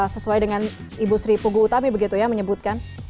sesuai dengan ibu sri pugu utami begitu ya menyebutkan